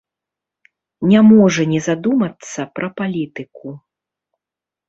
Не можа не задумацца пра палітыку.